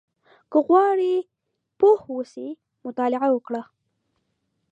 • که غواړې پوه اوسې، مطالعه وکړه.